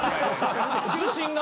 中心が？